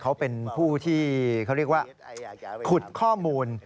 เขาเป็นผู้ที่เขาเรียกว่าขุดข้อมูล